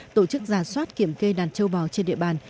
tổ chức giả soát kiểm kê đàn châu bò trên địa bàn